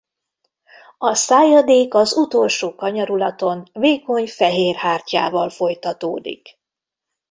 A szájadék az utolsó kanyarulaton vékony fehér hártyával folytatódik.